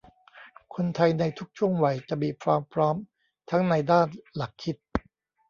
คนไทยในทุกช่วงวัยจะมีความพร้อมทั้งในด้านหลักคิด